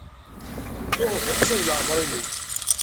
Ddu ɣef leḥsab n leɛmeṛ-nnek.